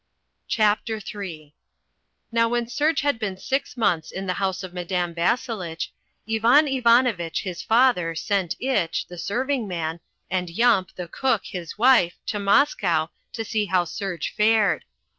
CHAPTER III Now when Serge had been six months in the house of Madame Vasselitch, Ivan Ivanovitch, his father, sent Itch, the serving man, and Yump, the cook, his wife, to Moscow to see how Serge fared.